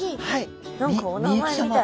何かお名前みたい。